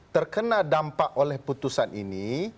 terkena dampak oleh putusan ini